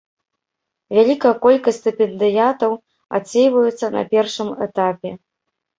Вялікая колькасць стыпендыятаў адсейваюцца на першым этапе.